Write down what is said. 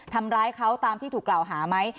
ทำร้ายเขาตามที่ถูกกล่าวหาไหม